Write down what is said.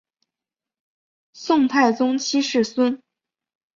宋太宗七世孙。